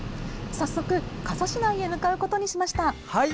早速、加須市内へ向かうことにしました。